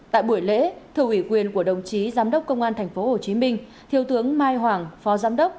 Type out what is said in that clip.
tại buổi lễ thưa ủy quyền của đồng chí giám đốc công an tp hcm thiếu tướng mai hoàng phó giám đốc